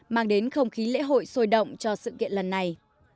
mang đến không khí lễ hội sôi động cho sự kiện lần này